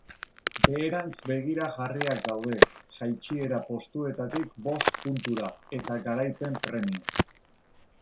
Beherantz begira jarriak daude, jaitsiera postuetatik bost puntura, eta garaipen premian.